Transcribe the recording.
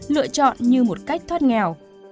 lựa chọn như một cách thoát nghèo